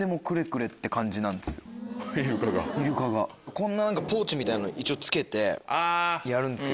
こんなポーチみたいなの一応着けてやるんですけど。